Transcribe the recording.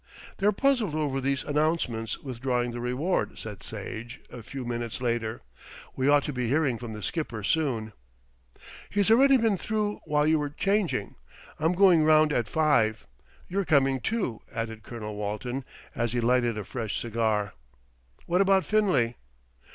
"They're puzzled over those announcements withdrawing the reward," said Sage a few minutes later. "We ought to be hearing from the Skipper soon." "He's already been through while you were changing. I'm going round at five. You're coming too," added Colonel Walton, as he lighted a fresh cigar. "What about Finlay?"